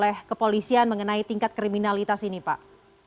bagaimana dengan pengamanan polisian mengenai tingkat kriminalitas ini pak